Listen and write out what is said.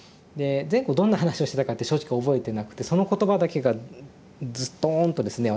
前後どんな話をしてたかって正直覚えてなくてその言葉だけがズトーンとですね